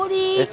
ui dại ơi